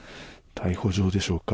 逮捕状でしょうか。